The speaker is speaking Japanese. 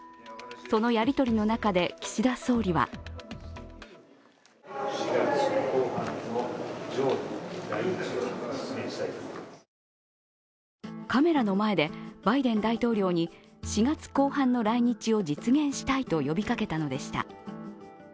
そのやりとりの中で岸田総理はカメラの前で、バイデン大統領に４月後半の来日を実現したいと呼びかけたのでした。